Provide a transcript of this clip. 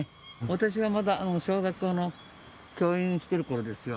私がまだ小学校の教員してる頃ですよ。